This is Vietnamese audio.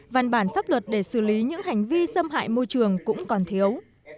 văn bản pháp luật để xử lý những hành vi xâm hại môi trường cũng còn thiếu